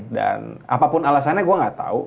dan apapun alasannya gue nggak tahu